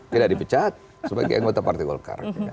tidak dipecat sebagai anggota partai golkar